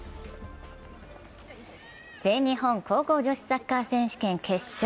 全日本高校女子サッカー選手権決勝。